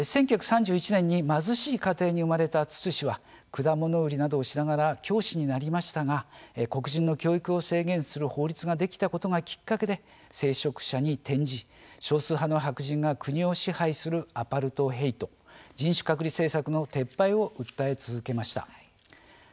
１９３１年に貧しい家庭に生まれたツツ氏は果物売りなどをしながら教師になりましたが黒人の教育を制限する法律ができたことがきっかけで聖職者に転じ少数派の白人が国を支配するアパルトヘイト・人種隔離政策の撤廃を訴え続けました。